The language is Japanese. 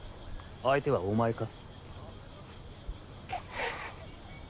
相手はお前か？